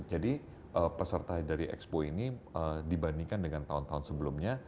jadi peserta dari expo ini dibandingkan dengan tahun tahun sebelumnya